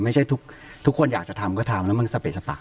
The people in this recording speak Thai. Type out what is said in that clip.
ไม่ใช่ทุกคนอยากจะทำก็ทำแล้วมันสะเป็ดสะปาก